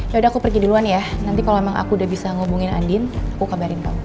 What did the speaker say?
yaudah aku pergi duluan ya nanti kalau emang aku udah bisa ngomongin andin aku kabarin kamu